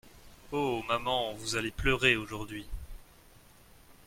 Oh ! maman, vous allez pleurer… aujourd’hui !